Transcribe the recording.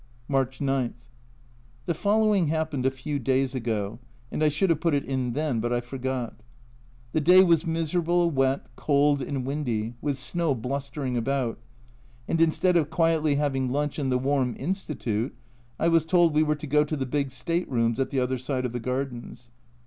March 9. The following happened a few days ago, and I should have put it in then, but I forgot. The day was miserable, wet, cold, and windy, with snow blustering about, and instead of quietly having lunch in the warm Institute I was told we were to go to the big state rooms at the other side of the gardens.